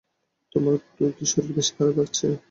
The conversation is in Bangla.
তোমার কী শরীর বেশি খারাপ লাগছে?